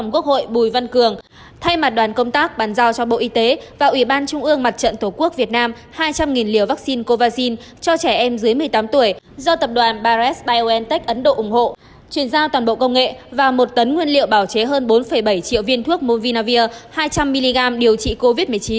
chuyển giao toàn bộ công nghệ và một tấn nguyên liệu bảo chế hơn bốn bảy triệu viên thuốc movinavir hai trăm linh mg điều trị covid một mươi chín